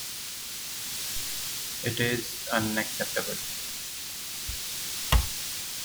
It is unacceptable.